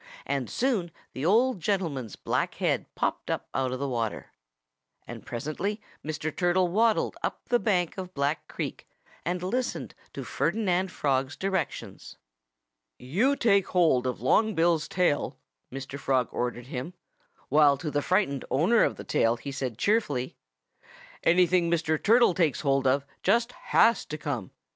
And soon the old gentleman's black head popped out of the water. And presently Mr. Turtle waddled up the bank of Black Creek and listened to Ferdinand Frog's directions. "You take hold of Long Bill's tail," Mr. Frog ordered him, while to the frightened owner of the tail he said cheerfully, "Anything Mr. Turtle takes hold of just has to come.